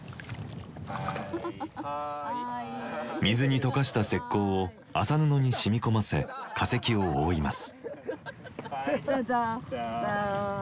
水に溶かした石こうを麻布に染み込ませ化石を覆います。